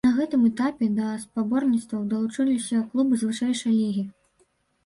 На гэтым этапе да спаборніцтваў далучыліся клубы з вышэйшай лігі.